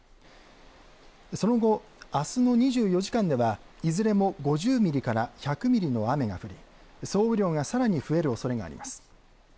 その後、あすの２４時間ではいずれも５０ミリから１００ミリの雨が降り総雨量がさらに増えるおそれがあります。